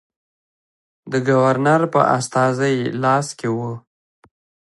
د ګورنر په استازي لاس کې وه.